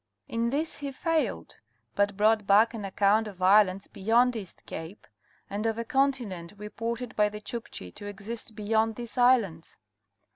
In this he failed, but brought back an account of islands beyond Kast Cape, and of a continent reported by the Chukchi to exist beyond these islands.